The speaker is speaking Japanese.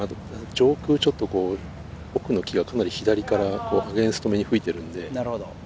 上空、ちょっと奥の木がかなり左からアゲンストめに吹いているので。